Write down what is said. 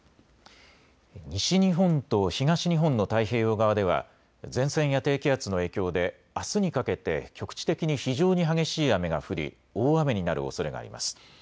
西日本と東日本の太平洋側では前線や低気圧の影響であすにかけて局地的に非常に激しい雨が降り大雨になるおそれがあります。